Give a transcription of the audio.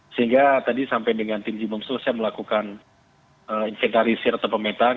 sehingga tadi sampai dengan tim jimum selesai melakukan inventarisir atau pemetaan